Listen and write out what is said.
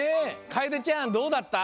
かえでちゃんどうだった？